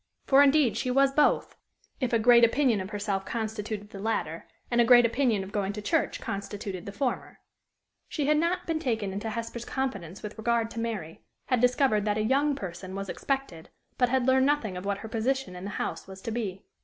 For, indeed, she was both, if a great opinion of herself constituted the latter, and a great opinion of going to church constituted the former. She had not been taken into Hesper's confidence with regard to Mary, had discovered that "a young person" was expected, but had learned nothing of what her position in the house was to be.